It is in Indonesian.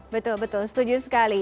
betul betul setuju sekali